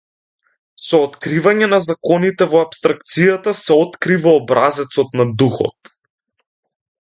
Со откривање на законите во апстракцијата се открива образецот на духот.